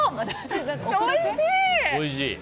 おいしい！